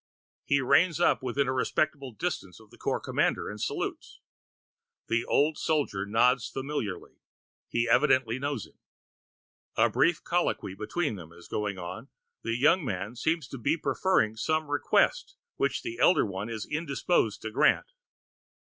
He reins up within a respectful distance of the corps commander and salutes. The old soldier nods familiarly; he evidently knows him. A brief colloquy between them is going on; the young man seems to be preferring some request which the elder one is indisposed to grant.